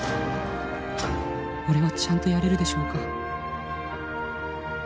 「俺はちゃんとやれるでしょうか？」